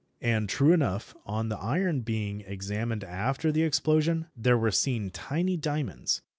And true enough, on the iron being examined after the explosion, there were seen tiny diamonds.